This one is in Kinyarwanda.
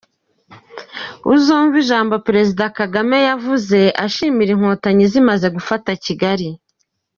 Uzumve ijyambo Prezida Kagame yavuze ashyimira inkotanyi zimaze gufata Kigali.